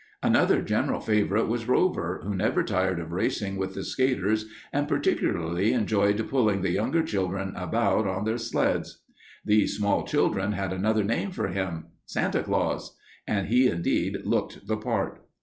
Another general favorite was Rover, who never tired of racing with the skaters and particularly enjoyed pulling the younger children about on their sleds. These small children had another name for him Santa Claus and he indeed looked the part.